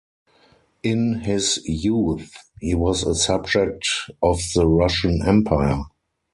In his youth he was a subject of the Russian Empire.